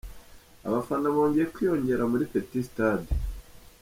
Abafana bongeye kwiyongera muri Peti Sitade